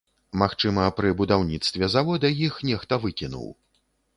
Магчыма, пры будаўніцтве завода іх нехта выкінуў.